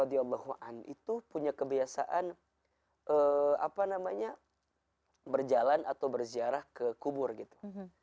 itu punya kebiasaan berjalan atau berziarah ke kubur gitu